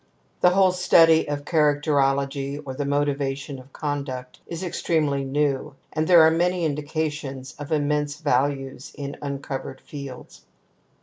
The whole study of characterology or the motivation of conduct is extremely new, and there are many indications of immense values in uncovered fields.